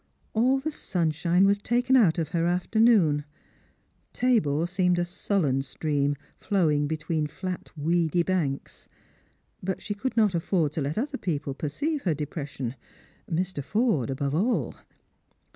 AU the sunshine was taken out of her afternoon ; Tabor seemed a sullen stream flowing between flat weedy banks. But fihe could not afi'ord to let other people perceive her depression — Mr. Forde above all.